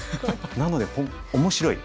なので面白い。